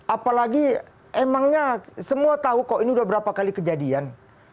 apalagi emangnya semua tahu kok ini udah berapa kali kejadian